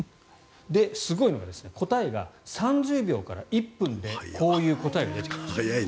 すごいのが答えが３０秒から１分でこういう答えが出てきます。